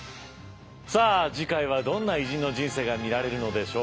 さあ次回はどんな偉人の人生が見られるのでしょうか。